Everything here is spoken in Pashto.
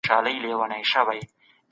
چي بل چاته څوک